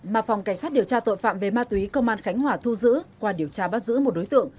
mà phòng cảnh sát điều tra tội phạm về ma túy công an khánh hòa thu giữ qua điều tra bắt giữ một đối tượng